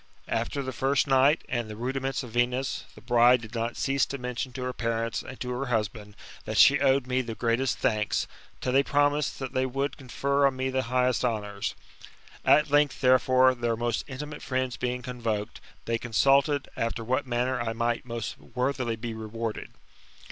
After the first night, and the rudi ments of Venus, the bride did not cease to mention to her parents and to her husband, that she owed me the greatest thanks, till they promised that they would confer on me the highest honours. At length, therefore, their most intimate friends being convoked, they consulted after what manner I might most worthily be rewarded.